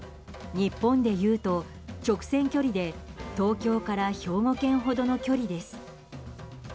日本でいうと直線距離で東京から兵庫県ほどの距離です。